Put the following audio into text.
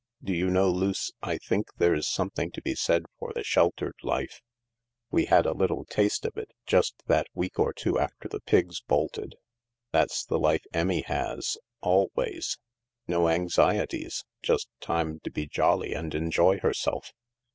"Do you know, Luce, I think there's something to be said for the sheltered life ? We had a little taste of it, just that week or two after the Pigs bolted. That's the life Emmie has, always — no anxieties ; just time to be jolly and enjoy herself."